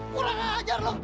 kurang ajar lo